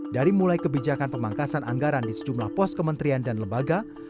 dari mulai kebijakan pemangkasan anggaran di sejumlah pos kementerian dan lembaga